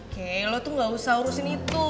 kayak lo tuh gak usah urusin itu